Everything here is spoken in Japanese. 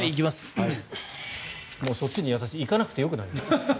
そっちに私行かなくてよくなりました。